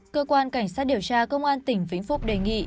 cơ quan cảnh sát điều tra công an tỉnh vĩnh phúc đề nghị